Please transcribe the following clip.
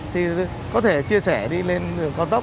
thì có thể chia sẻ đi lên đường cao tốc